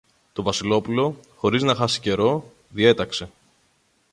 Το Βασιλόπουλο, χωρίς να χάσει καιρό, διέταξε